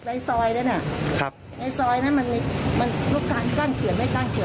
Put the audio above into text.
ในซอยนั้นน่ะครับในซอยนั้นมันมีมันทุกขั้นกั้นเกี่ยวไม่กั้นเกี่ยว